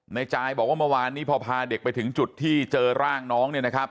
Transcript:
จายบอกว่าเมื่อวานนี้พอพาเด็กไปถึงจุดที่เจอร่างน้องเนี่ยนะครับ